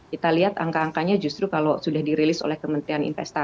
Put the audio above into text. kita lihat angka angkanya justru kalau sudah dirilis oleh kementerian investasi